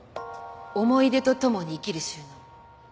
思い出と共に生きる収納。